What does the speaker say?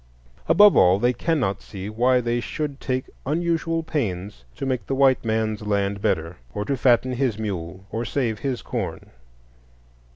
Above all, they cannot see why they should take unusual pains to make the white man's land better, or to fatten his mule, or save his corn.